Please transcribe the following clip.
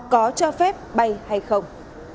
có cho phép bay hay không